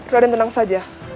raden tenang saja